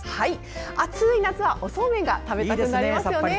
暑い夏は、おそうめんが食べたくなりますよね。